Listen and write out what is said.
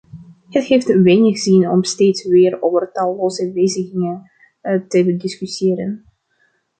Het heeft weinig zin om steeds weer over talloze wijzigingen te discussiëren.